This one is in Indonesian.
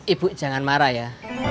ibu jangan marah ya